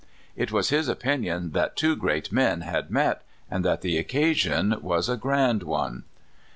" It was his opinion that two great men had met, and that the occasion was a grand one.